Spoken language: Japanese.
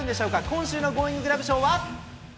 今週のゴーインググラブ賞は？